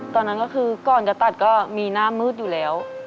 ตอนนั้นก็คือก่อนจะตัดก็มีหน้ามืดอยู่แล้ว